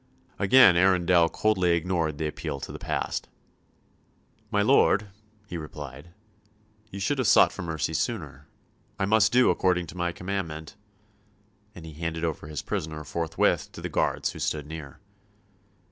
Again Arundel coldly ignored the appeal to the past. "My lord," he replied, "ye should have sought for mercy sooner. I must do according to my commandment," and he handed over his prisoner forthwith to the guards who stood near.